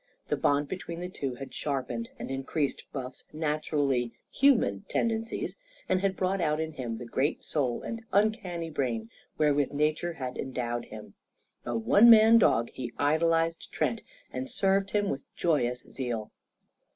The bond between the two had sharpened and increased Buff's naturally "human" tendencies, and had brought out in him the great soul and uncanny brain wherewith nature had endowed him. A one man dog, he idolised Trent and served him with joyous zeal.